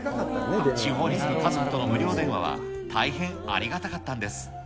地方に住む家族との無料電話は大変ありがたかったんです。